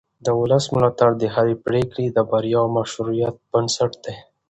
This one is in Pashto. د ولس ملاتړ د هرې پرېکړې د بریا او مشروعیت بنسټ دی